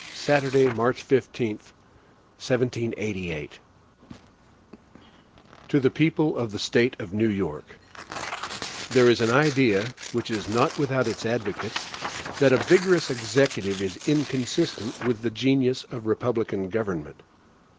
Saturday, March 15, 1788. HAMILTON To the People of the State of New York: THERE is an idea, which is not without its advocates, that a vigorous Executive is inconsistent with the genius of republican government.